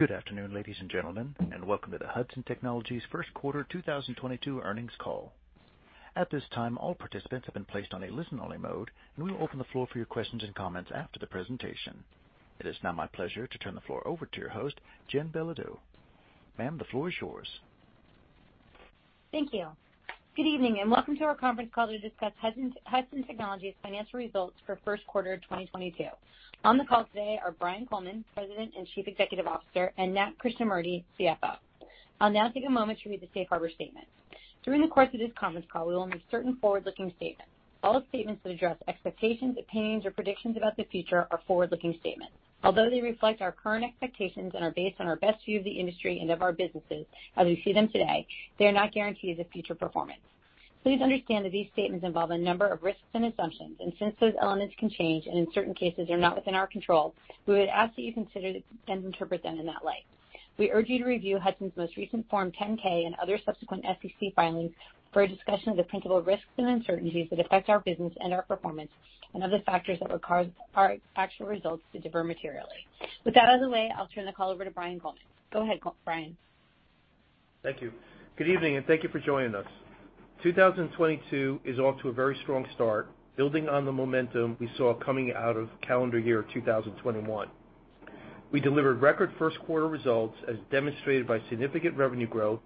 Good afternoon, ladies and gentlemen, and welcome to the Hudson Technologies first quarter 2022 earnings call. At this time, all participants have been placed on a listen-only mode, and we will open the floor for your questions and comments after the presentation. It is now my pleasure to turn the floor over to your host, Jen Belodeau. Ma'am, the floor is yours. Thank you. Good evening, and welcome to our conference call to discuss Hudson Technologies financial results for first quarter of 2022. On the call today are Brian Coleman, President and Chief Executive Officer, and Nat Krishnamurti, CFO. I'll now take a moment to read the safe harbor statement. During the course of this conference call, we will make certain forward-looking statements. All statements that address expectations, opinions, or predictions about the future are forward-looking statements. Although they reflect our current expectations and are based on our best view of the industry and of our businesses as we see them today, they are not guarantees of future performance. Please understand that these statements involve a number of risks and assumptions, and since those elements can change and in certain cases are not within our control, we would ask that you consider and interpret them in that light. We urge you to review Hudson's most recent Form 10-K and other subsequent SEC filings for a discussion of the principal risks and uncertainties that affect our business and our performance and other factors that would cause our actual results to differ materially. With that out of the way, I'll turn the call over to Brian Coleman. Go ahead, Brian. Thank you. Good evening, and thank you for joining us. 2022 is off to a very strong start, building on the momentum we saw coming out of calendar year 2021. We delivered record first quarter results as demonstrated by significant revenue growth,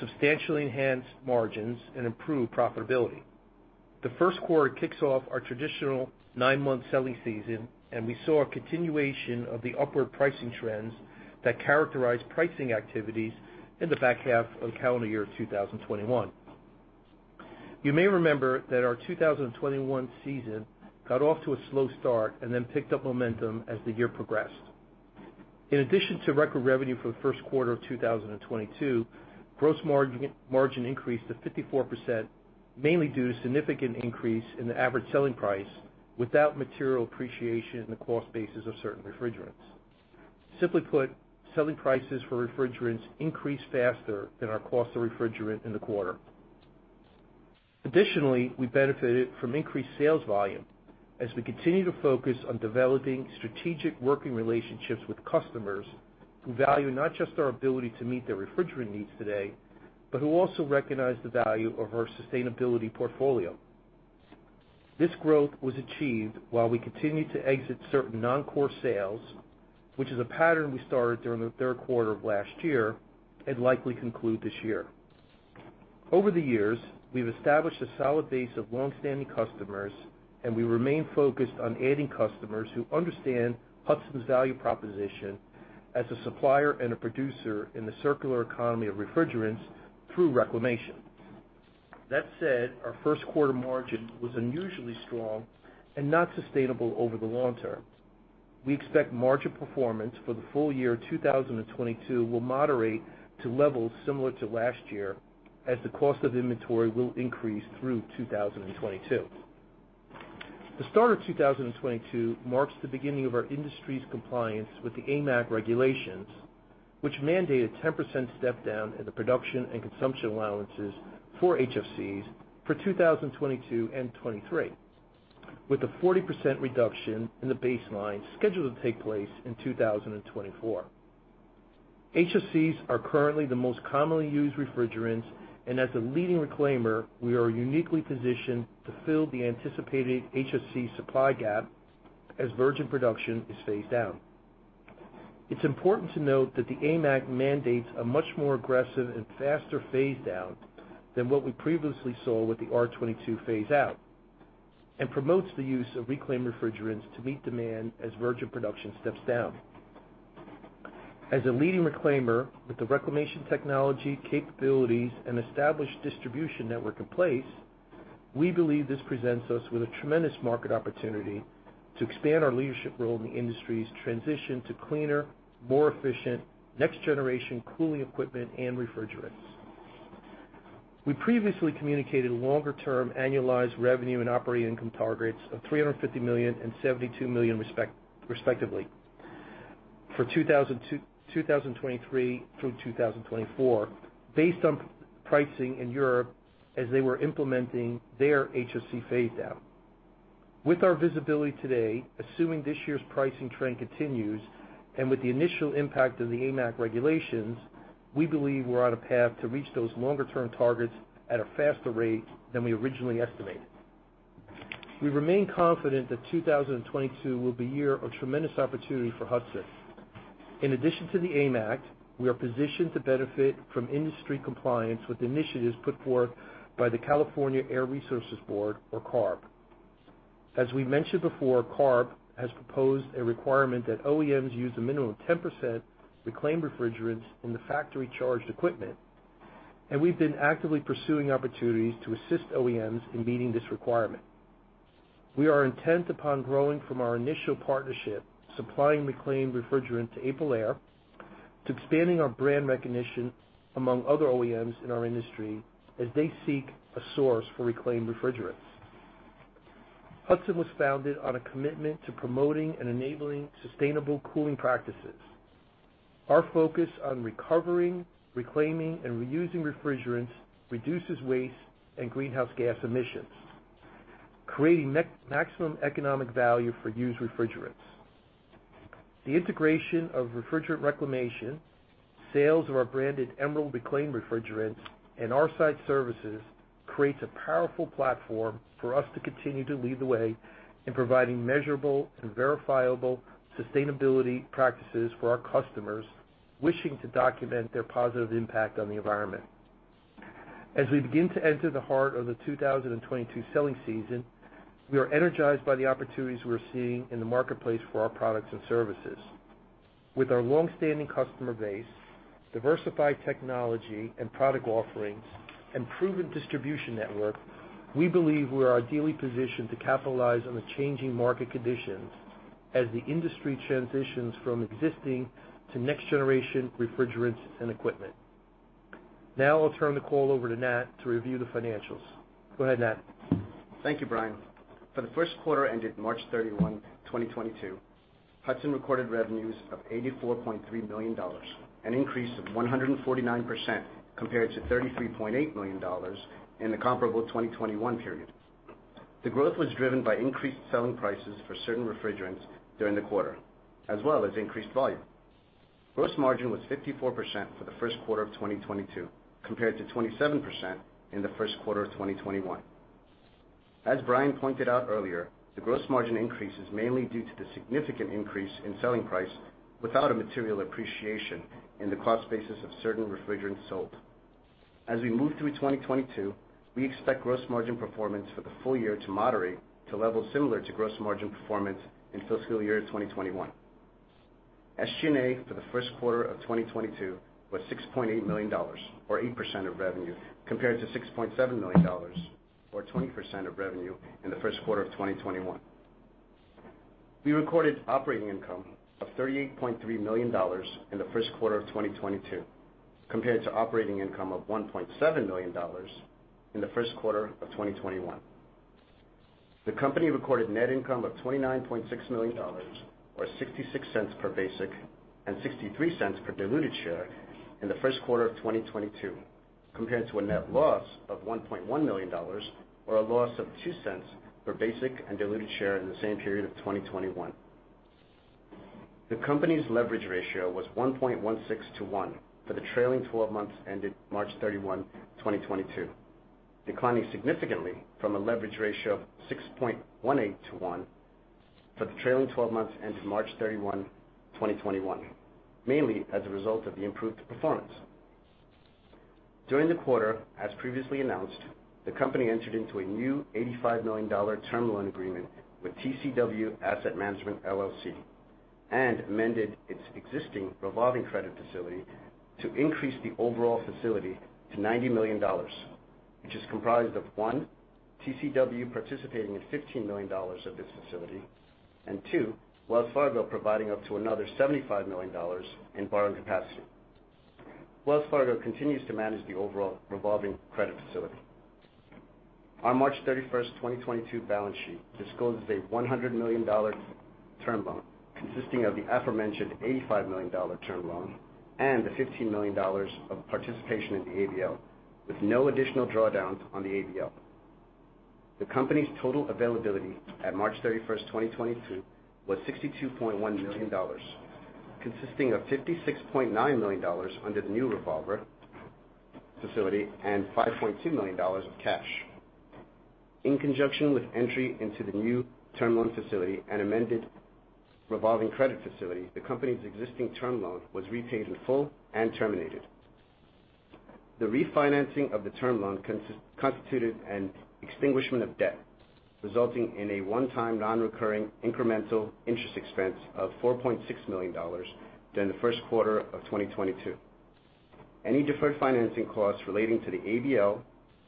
substantially enhanced margins, and improved profitability. The first quarter kicks off our traditional nine-month selling season, and we saw a continuation of the upward pricing trends that characterize pricing activities in the back half of calendar year 2021. You may remember that our 2021 season got off to a slow start and then picked up momentum as the year progressed. In addition to record revenue for the first quarter of 2022, gross margin increased to 54%, mainly due to significant increase in the average selling price without material appreciation in the cost basis of certain refrigerants. Simply put, selling prices for refrigerants increased faster than our cost of refrigerant in the quarter. Additionally, we benefited from increased sales volume as we continue to focus on developing strategic working relationships with customers who value not just our ability to meet their refrigerant needs today, but who also recognize the value of our sustainability portfolio. This growth was achieved while we continued to exit certain non-core sales, which is a pattern we started during the third quarter of last year and likely conclude this year. Over the years, we've established a solid base of long-standing customers, and we remain focused on adding customers who understand Hudson's value proposition as a supplier and a producer in the circular economy of refrigerants through reclamation. That said, our first quarter margin was unusually strong and not sustainable over the long term. We expect margin performance for the full year 2022 will moderate to levels similar to last year as the cost of inventory will increase through 2022. The start of 2022 marks the beginning of our industry's compliance with the AIM Act regulations, which mandate a 10% step down in the production and consumption allowances for HFCs for 2022 and 2023, with a 40% reduction in the baseline scheduled to take place in 2024. HFCs are currently the most commonly used refrigerants, and as a leading reclaimer, we are uniquely positioned to fill the anticipated HFC supply gap as virgin production is phased out. It's important to note that the AIM Act mandates a much more aggressive and faster phase down than what we previously saw with the R-22 phase out and promotes the use of reclaimed refrigerants to meet demand as virgin production steps down. As a leading reclaimer with the reclamation technology, capabilities, and established distribution network in place, we believe this presents us with a tremendous market opportunity to expand our leadership role in the industry's transition to cleaner, more efficient, next generation cooling equipment and refrigerants. We previously communicated longer term annualized revenue and operating income targets of $350 million and $72 million respectively for 2023 through 2024 based on pricing in Europe as they were implementing their HFC phase down. With our visibility today, assuming this year's pricing trend continues, and with the initial impact of the AIM Act regulations, we believe we're on a path to reach those longer term targets at a faster rate than we originally estimated. We remain confident that 2022 will be a year of tremendous opportunity for Hudson. In addition to the AIM Act, we are positioned to benefit from industry compliance with initiatives put forth by the California Air Resources Board or CARB. As we mentioned before, CARB has proposed a requirement that OEMs use a minimum of 10% reclaimed refrigerants in the factory charged equipment, and we've been actively pursuing opportunities to assist OEMs in meeting this requirement. We are intent upon growing from our initial partnership, supplying reclaimed refrigerant to AprilAire, to expanding our brand recognition among other OEMs in our industry as they seek a source for reclaimed refrigerants. Hudson was founded on a commitment to promoting and enabling sustainable cooling practices. Our focus on recovering, reclaiming, and reusing refrigerants reduces waste and greenhouse gas emissions. Creating maximum economic value for used refrigerants. The integration of refrigerant reclamation, sales of our branded Emerald Reclaim refrigerants and our site services creates a powerful platform for us to continue to lead the way in providing measurable and verifiable sustainability practices for our customers wishing to document their positive impact on the environment. As we begin to enter the heart of the 2022 selling season, we are energized by the opportunities we're seeing in the marketplace for our products and services. With our long-standing customer base, diversified technology and product offerings, and proven distribution network, we believe we are ideally positioned to capitalize on the changing market conditions as the industry transitions from existing to next generation refrigerants and equipment. Now, I'll turn the call over to Nat to review the financials. Go ahead, Nat. Thank you, Brian. For the first quarter ended March 31, 2022, Hudson recorded revenues of $84.3 million, an increase of 149% compared to $33.8 million in the comparable 2021 period. The growth was driven by increased selling prices for certain refrigerants during the quarter as well as increased volume. Gross margin was 54% for the first quarter of 2022 compared to 27% in the first quarter of 2021. As Brian pointed out earlier, the gross margin increase is mainly due to the significant increase in selling price without a material appreciation in the cost basis of certain refrigerants sold. As we move through 2022, we expect gross margin performance for the full year to moderate to levels similar to gross margin performance in fiscal year 2021. SG&A for the first quarter of 2022 was $6.8 million or 8% of revenue, compared to $6.7 million or 20% of revenue in the first quarter of 2021. We recorded operating income of $38.3 million in the first quarter of 2022 compared to operating income of $1.7 million in the first quarter of 2021. The company recorded net income of $29.6 million or $0.66 per basic and $0.63 per diluted share in the first quarter of 2022, compared to a net loss of $1.1 million or a loss of $0.02 per basic and diluted share in the same period of 2021. The company's leverage ratio was 1.16 to 1 for the trailing twelve months ended March 31, 2022, declining significantly from a leverage ratio of 6.18 to 1 for the trailing twelve months ended March 31, 2021, mainly as a result of the improved performance. During the quarter, as previously announced, the company entered into a new $85 million term loan agreement with TCW Asset Management Company LLC and amended its existing revolving credit facility to increase the overall facility to $90 million, which is comprised of, 1, TCW participating in $15 million of this facility, and 2, Wells Fargo providing up to another $75 million in borrowing capacity. Wells Fargo continues to manage the overall revolving credit facility. Our March 31, 2022 balance sheet discloses a $100 million term loan consisting of the aforementioned $85 million term loan and the $15 million of participation in the ABL, with no additional drawdowns on the ABL. The company's total availability at March 31, 2022 was $62.1 million, consisting of $56.9 million under the new revolver facility and $5.2 million of cash. In conjunction with entry into the new term loan facility and amended revolving credit facility, the company's existing term loan was repaid in full and terminated. The refinancing of the term loan constituted an extinguishment of debt, resulting in a one-time non-recurring incremental interest expense of $4.6 million during the first quarter of 2022. Any deferred financing costs relating to the ABL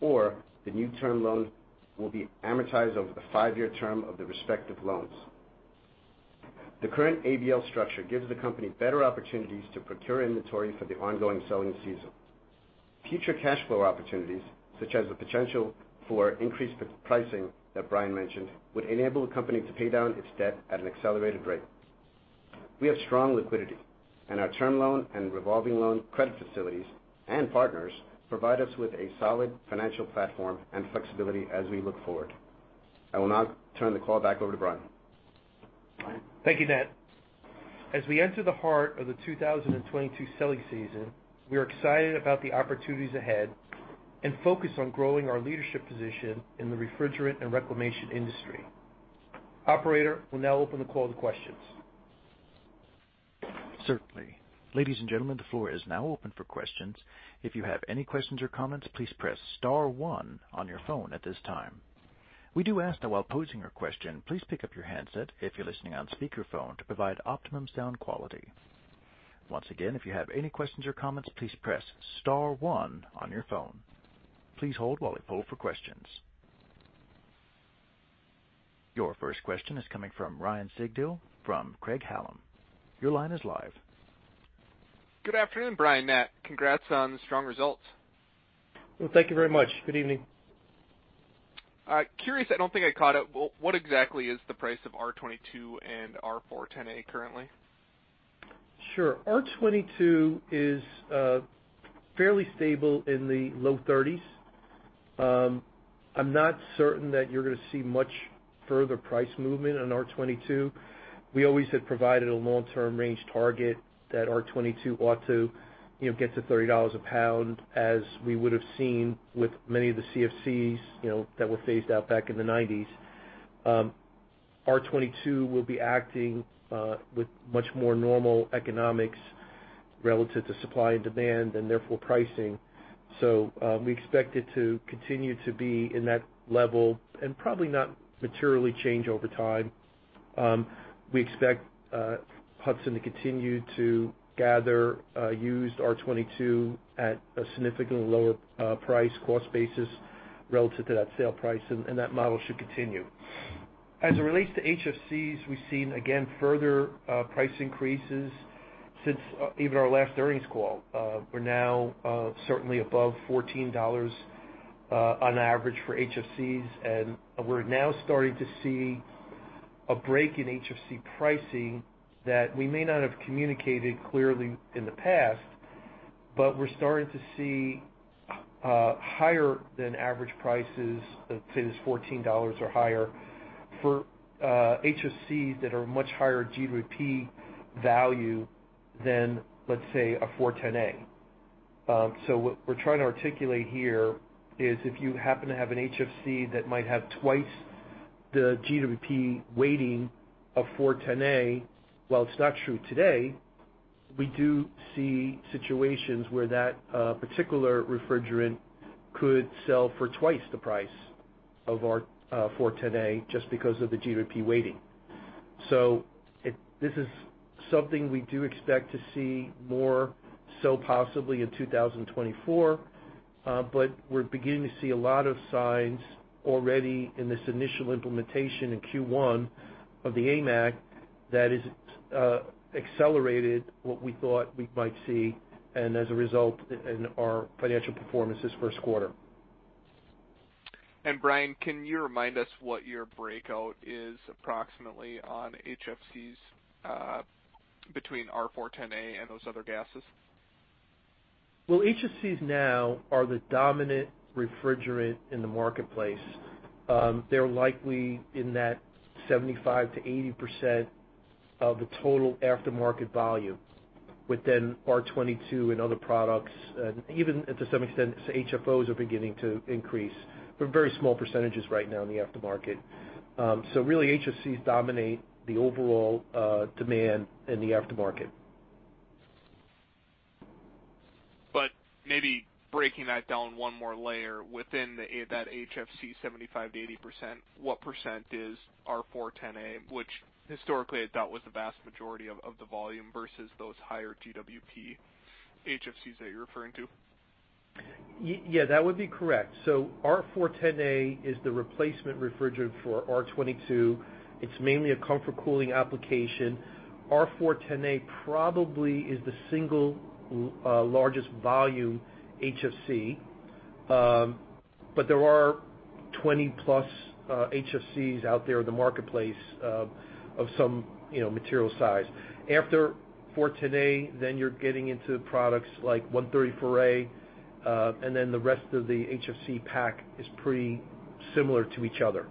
or the new term loan will be amortized over the five-year term of the respective loans. The current ABL structure gives the company better opportunities to procure inventory for the ongoing selling season. Future cash flow opportunities, such as the potential for increased pricing that Brian mentioned, would enable the company to pay down its debt at an accelerated rate. We have strong liquidity, and our term loan and revolving loan credit facilities and partners provide us with a solid financial platform and flexibility as we look forward. I will now turn the call back over to Brian. Thank you, Nat. As we enter the heart of the 2022 selling season, we are excited about the opportunities ahead and focused on growing our leadership position in the refrigerant and reclamation industry. Operator, we'll now open the call to questions. Certainly. Ladies and gentlemen, the floor is now open for questions. If you have any questions or comments, please press star one on your phone at this time. We do ask that while posing your question, please pick up your handset if you're listening on speakerphone to provide optimum sound quality. Once again, if you have any questions or comments, please press star one on your phone. Please hold while we poll for questions. Your first question is coming from Ryan Sigdahl from Craig-Hallum Capital Group. Your line is live. Good afternoon, Brian, Nat. Congrats on the strong results. Well, thank you very much. Good evening. Curious, I don't think I caught it. What exactly is the price of R-22 and R-410A currently? Sure. R-22 is fairly stable in the low thirties. I'm not certain that you're gonna see much further price movement on R-22. We always had provided a long-term range target that R-22 ought to, you know, get to $30 a pound as we would have seen with many of the CFCs, you know, that were phased out back in the nineties. R-22 will be acting with much more normal economics relative to supply and demand, and therefore pricing. We expect it to continue to be in that level and probably not materially change over time. We expect Hudson to continue to gather used R-22 at a significantly lower price cost basis relative to that sale price, and that model should continue. As it relates to HFCs, we've seen again further price increases since even our last earnings call. We're now certainly above $14 on average for HFCs. We're now starting to see a break in HFC pricing that we may not have communicated clearly in the past, but we're starting to see higher than average prices of say this $14 or higher for HFCs that are much higher GWP value than, let's say, a 410A. So what we're trying to articulate here is if you happen to have an HFC that might have twice the GWP weighting of 410A, while it's not true today, we do see situations where that particular refrigerant could sell for twice the price of our 410A just because of the GWP weighting. This is something we do expect to see more so possibly in 2024. But we're beginning to see a lot of signs already in this initial implementation in Q1 of the AIM Act that is accelerated what we thought we might see, and as a result in our financial performance this first quarter. Brian, can you remind us what your breakdown is approximately on HFCs between R-410A and those other gases? Well, HFCs now are the dominant refrigerant in the marketplace. They're likely in that 75%-80% of the total aftermarket volume within R-22 and other products, and even to some extent, HFOs are beginning to increase, but very small percentages right now in the aftermarket. Really HFCs dominate the overall demand in the aftermarket. Maybe breaking that down one more layer within the HFC 75%-80%, what percent is R-410A, which historically I thought was the vast majority of the volume versus those high-GWP HFCs that you're referring to? Yeah, that would be correct. R-410A is the replacement refrigerant for R-22. It's mainly a comfort cooling application. R-410A probably is the single largest volume HFC. There are 20+ HFCs out there in the marketplace of some, you know, material size. After 410A, you're getting into products like R-134a, and the rest of the HFC pack is pretty similar to each other.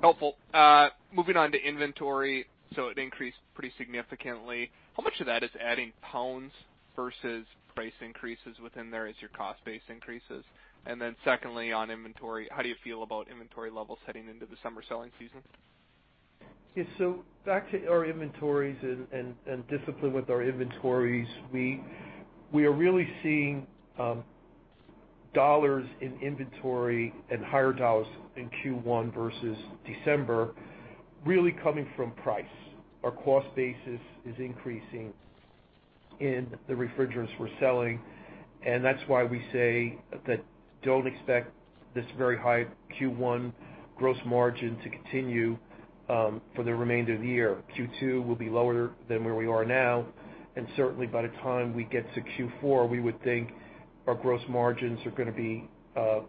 Helpful. Moving on to inventory, it increased pretty significantly. How much of that is adding pounds versus price increases within there as your cost base increases? Secondly, on inventory, how do you feel about inventory levels heading into the summer selling season? Yeah. Back to our inventories and discipline with our inventories. We are really seeing dollars in inventory and higher dollars in Q1 versus December really coming from price. Our cost basis is increasing in the refrigerants we're selling, and that's why we say that don't expect this very high Q1 gross margin to continue for the remainder of the year. Q2 will be lower than where we are now, and certainly by the time we get to Q4, we would think our gross margins are gonna be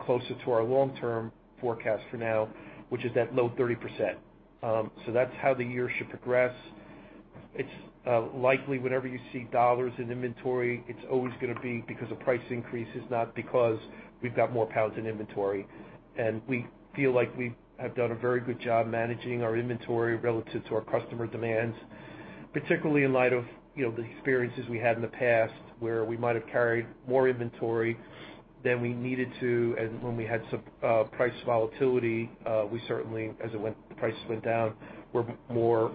closer to our long-term forecast for now, which is that low 30%. That's how the year should progress. It's likely whenever you see dollars in inventory, it's always gonna be because of price increases, not because we've got more pounds in inventory. We feel like we have done a very good job managing our inventory relative to our customer demands, particularly in light of, you know, the experiences we had in the past where we might have carried more inventory than we needed to. When we had some price volatility, we certainly as the prices went down, we're more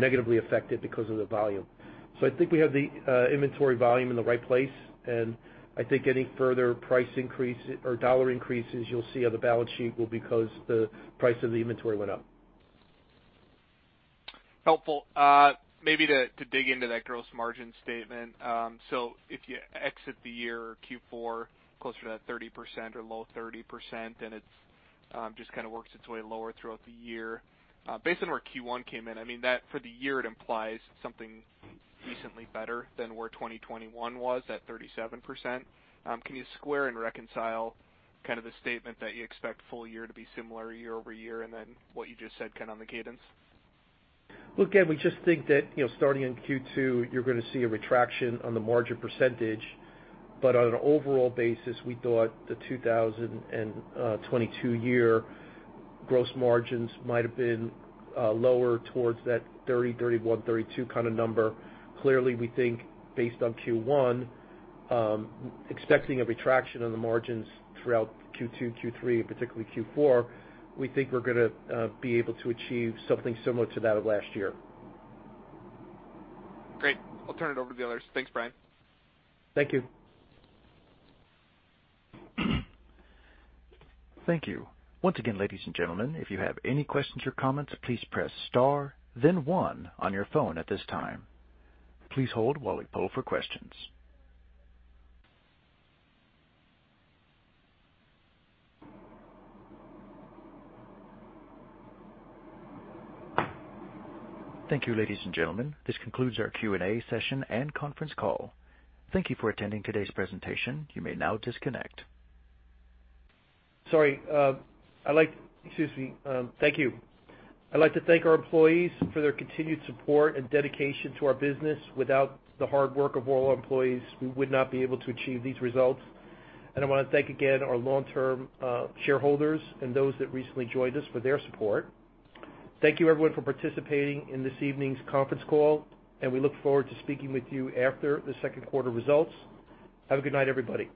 negatively affected because of the volume. I think we have the inventory volume in the right place, and I think any further price increase or dollar increases you'll see on the balance sheet will be because the price of the inventory went up. Helpful. Maybe to dig into that gross margin statement. If you exit the year Q4 closer to that 30% or low 30%, then it's just kinda works its way lower throughout the year. Based on where Q1 came in, I mean, that for the year it implies something decently better than where 2021 was at 37%. Can you square and reconcile kind of the statement that you expect full year to be similar year-over-year and then what you just said kind of on the cadence? Look, again, we just think that, you know, starting in Q2, you're gonna see a retraction on the margin percentage. On an overall basis, we thought the 2022 year gross margins might have been lower towards that 30%-32% kind of number. Clearly, we think based on Q1, expecting a retraction on the margins throughout Q2, Q3, and particularly Q4, we think we're gonna be able to achieve something similar to that of last year. Great. I'll turn it over to the others. Thanks, Brian. Thank you. Thank you. Once again, ladies and gentlemen, if you have any questions or comments, please press star then one on your phone at this time. Please hold while we poll for questions. Thank you, ladies and gentlemen. This concludes our Q&A session and conference call. Thank you for attending today's presentation. You may now disconnect. Thank you. I'd like to thank our employees for their continued support and dedication to our business. Without the hard work of all our employees, we would not be able to achieve these results. I wanna thank again our long-term shareholders and those that recently joined us for their support. Thank you everyone for participating in this evening's conference call, and we look forward to speaking with you after the second quarter results. Have a good night, everybody.